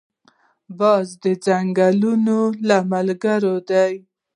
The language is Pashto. باز د جنګیالیو له ملګرو دی